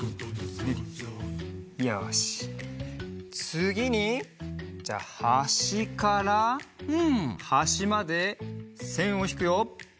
つぎにじゃあはしからはしまでせんをひくよ。